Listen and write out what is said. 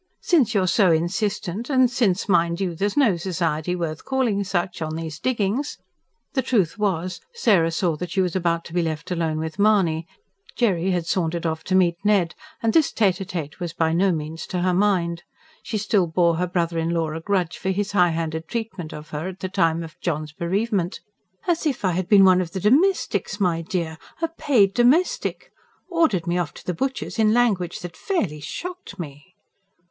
"Since you're so insistent ... and since, mind you, there's no society worth calling such, on these diggings...." The truth was, Sarah saw that she was about to be left alone with Mahony Jerry had sauntered off to meet Ned and this TETE A TETE was by no means to her mind. She still bore her brother in law a grudge for his high handed treatment of her at the time of John's bereavement. "As if I had been one of the domestics, my dear a paid domestic! Ordered me off to the butcher's in language that fairly shocked me."